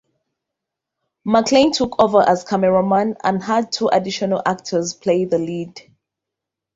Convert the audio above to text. Maclaine took over as cameraman and had two additional actors play the lead.